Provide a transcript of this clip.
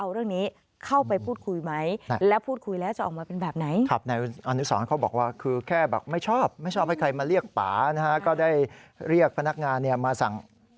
เรียกป๋านะคะก็ได้เรียกพนักงานมาสั่ง